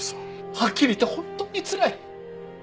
はっきり言って本当につらい。